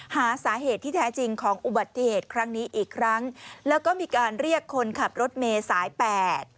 หาสาเหตุที่แท้จริงของอุบัติเหตุครั้งนี้อีกครั้งแล้วก็มีการเรียกคนขับรถเมย์สายแปด